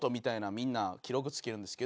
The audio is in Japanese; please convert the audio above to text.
みんな記録つけるんですけど